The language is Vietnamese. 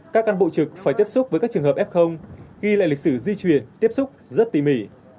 các cán bộ trực phải tiếp xúc với các trường hợp f ghi lại lịch sử di chuyển tiếp xúc rất tỉ mỉ